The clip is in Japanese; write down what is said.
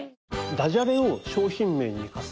ダジャレを商品名に生かす。